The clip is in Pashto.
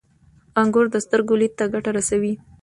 • انګور د سترګو لید ته ګټه رسوي.